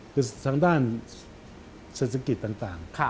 คือทางด้านเศรษฐกิจต่าง